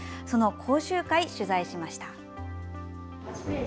その講習会を取材しました。